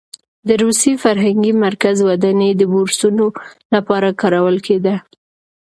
د روسي فرهنګي مرکز ودانۍ د بورسونو لپاره کارول کېده.